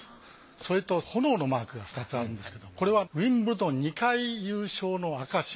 それと炎のマークが２つあるんですけどこれはウィンブルドン２回優勝の証し。